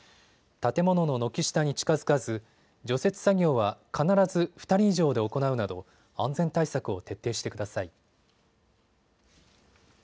建物の軒下に近づかず除雪作業は必ず２人以上で行うなど安全対策を徹底してください。